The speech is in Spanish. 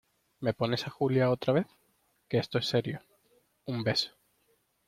¿ me pones a Julia otra vez? que esto es serio. un beso .